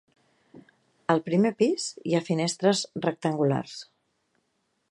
Al primer pis hi ha finestres rectangulars.